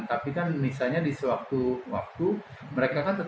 nah itu kan akhirnya di luar misalnya dia berkontak